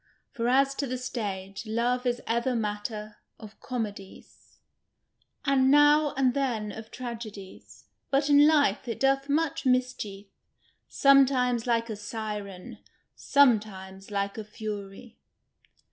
For as to the stage, love is ever matter of comedies, and now and then of tragedies ; but in life, it doth much mischief ; sometimes like a siren ; sometimes like a fury."